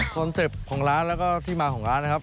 เซ็ปต์ของร้านแล้วก็ที่มาของร้านนะครับ